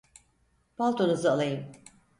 Paltonuzu alayım.